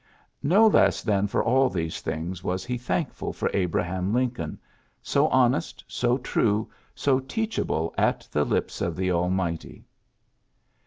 No less than for all these things was he thankful for Abraham Lincoln, ^^so honest, so true, so teachable at the lips of the Almighty.